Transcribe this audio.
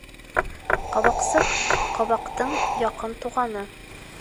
Ҡабаҡсыҡ — ҡабаҡтың яҡын туғаны.